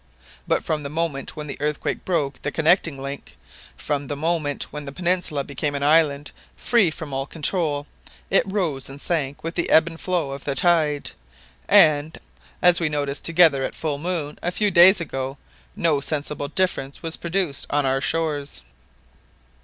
But from the moment when the earthquake broke the connecting link, from the moment when the peninsula became an island free from all control, it rose and sank with the ebb and flow of the tide; and, as we noticed together at full moon a few days ago, no sensible difference was produced on our shores."